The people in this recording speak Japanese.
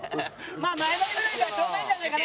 まあ前乗りぐらいがちょうどいいんじゃないかな。